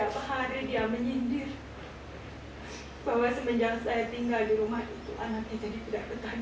kalau setiap hari dia menyindir bahwa semenjak saya tinggal di rumah itu anaknya jadi pedagang